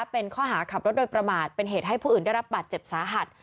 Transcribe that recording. เป็นข้อหาขับรถโดยประมาทเป็นเหตุให้ผู้อื่นได้รับบาดเจ็บสาหัส